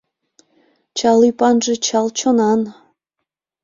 «Чал ӱпанже чал чонан».